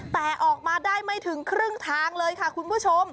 แต่ออกมาได้ไม่ถึงครึ่งทางเลยค่ะคุณผู้ชม